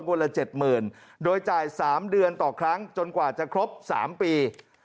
ละ๗๐๐๐โดยจ่าย๓เดือนต่อครั้งจนกว่าจะครบ๓ปี